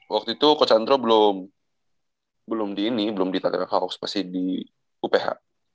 waktu itu coach andro belum di ini belum di tangerang hawks pasti di uph